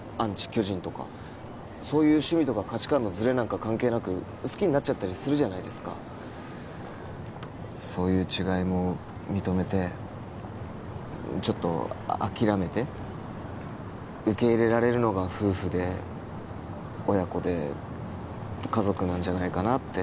巨人とかそういう趣味とか価値観のズレなんか関係なく好きになっちゃったりするじゃないですかそういう違いも認めてちょっと諦めて受け入れられるのが夫婦で親子で家族なんじゃないかなって